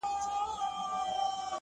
داسي وخت هم وو مور ويله راتــــــــــه ـ